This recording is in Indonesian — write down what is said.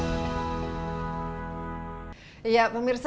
ini tentang pemerintah dan pemerintah indonesia